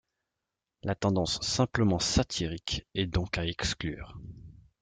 La tendance simplement satirique est donc à exclure.